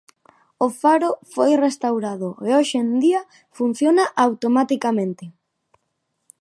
O faro foi restaurado e hoxe día funciona automaticamente.